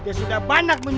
dia sudah banyak kalo berlalu